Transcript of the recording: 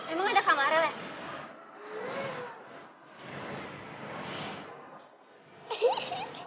emang ada kamar lek